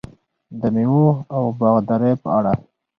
د میوو او باغدارۍ په اړه: